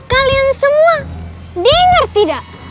kalian semua denger tidak